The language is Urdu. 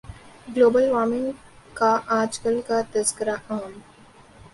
گلوبل وارمنگ کا آج کل تذکرہ عام